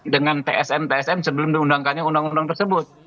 dengan tsm tsm sebelum diundangkannya undang undang tersebut